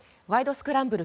スクランブル」